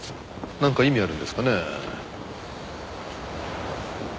なんか意味あるんですかね？